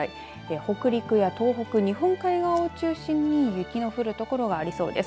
北陸や東北、日本海側を中心に雪の降る所がありそうです。